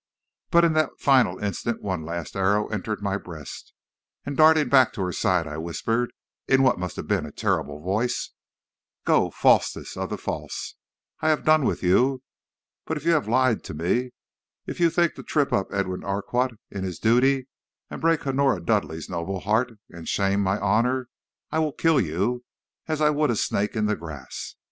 "But in that final instant one last arrow entered my breast, and darting back to her side, I whispered, in what must have been a terrible voice: "'Go, falsest of the false! I have done with you! But if you have lied to me if you think to trip up Edwin Urquhart in his duty, and break Honora Dudleigh's noble heart, and shame my honor I will kill you as I would a snake in the grass!